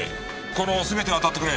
この全てを当たってくれ。